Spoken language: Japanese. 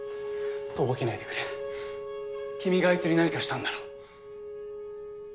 とぼけないでくれ君があいつに何かしたんだろう？